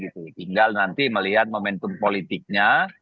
tinggal nanti melihat momentum politiknya